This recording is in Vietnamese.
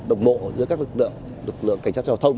đồng bộ giữa các lực lượng lực lượng cảnh sát giao thông